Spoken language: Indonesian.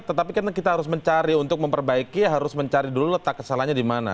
tetapi karena kita harus mencari untuk memperbaiki harus mencari dulu letak kesalahannya di mana